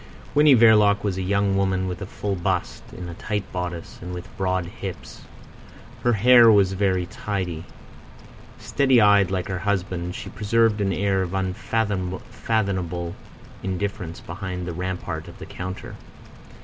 Winnie Verloc was a young woman with a full bust, in a tight bodice, and with broad hips. Her hair was very tidy. Steady eyed like her husband, she preserved an air of unfathomable indifference behind the rampart of the counter.